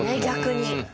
逆に。